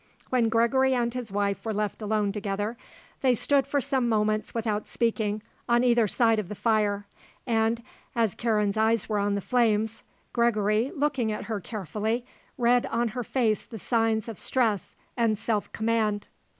When Gregory and his wife were left alone together, they stood for some moments without speaking on either side of the fire, and, as Karen's eyes were on the flames, Gregory, looking at her carefully, read on her face the signs of stress and self command.